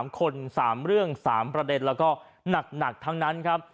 ๓คน๓เรื่อง๓ประเด็นแล้วก็หนักทั้งนั้นครับ